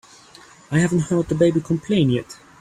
I haven't heard the baby complain yet.